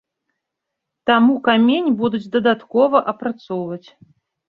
Таму камень будуць дадаткова апрацоўваць.